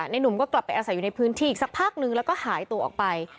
หนุ่มก็กลับไปอาศัยอยู่ในพื้นที่อีกสักพักนึงแล้วก็หายตัวออกไป